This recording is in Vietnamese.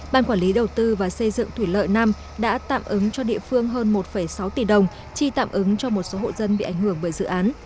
ban quản lý đầu tư và xây dựng thủy lợi năm đã tạm ứng cho địa phương hơn một sáu tỷ đồng chi tạm ứng cho một số hộ dân bị ảnh hưởng bởi dự án